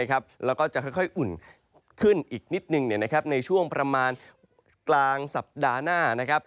แล้วก็จะค่อยอุ่นขึ้นอีกนิดนึงในช่วงประมาณกลางสัปดาห์หน้านะครับ